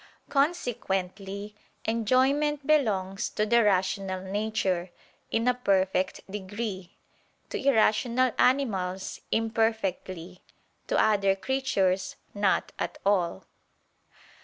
Consequently, enjoyment belongs to the rational nature, in a perfect degree; to irrational animals, imperfectly; to other creatures, not at all.